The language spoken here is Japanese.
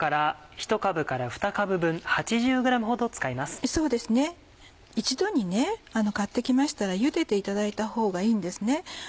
一度に買って来ましたらゆでていただいたほうがいいんですね。